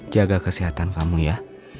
jaga kesehatan kamu ya